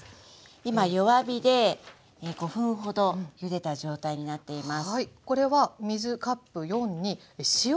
今弱火で５分ほどゆでた状態になっています。